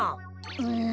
うん。